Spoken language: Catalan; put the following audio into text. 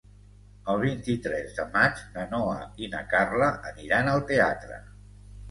El vint-i-tres de maig na Noa i na Carla aniran al teatre.